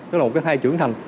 tức là một cái thai trưởng thành